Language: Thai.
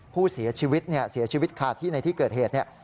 ของกระจัดกระจายผู้เสียชีวิตค่ะที่ในที่เกิดเหตุ